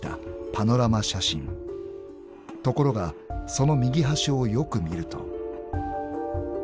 ［ところがその右端をよく見ると］